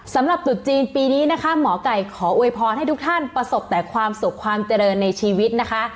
จุดจีนปีนี้นะคะหมอไก่ขอโวยพรให้ทุกท่านประสบแต่ความสุขความเจริญในชีวิตนะคะ